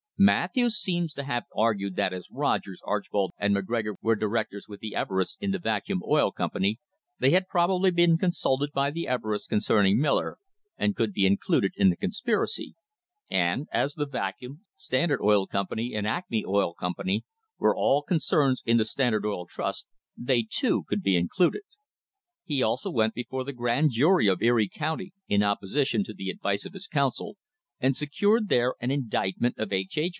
Matthews seems to have argued that, as Rogers, Archbold and McGregor were directors with [too] THE BUFFALO CASE the Eve rests in the Vacuum Oil Company, they had probably been consulted by the Everests concerning Miller, and could be included in the conspiracy, and, as the Vacuum, Standard Oil Company and Acme Oil Company were all concerns in the Standard Oil Trust, they, too, could be included. He also went before the Grand Jury of Erie County in opposition to the advice of his counsel and secured there an indictment of H. H.